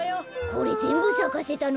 これぜんぶさかせたの？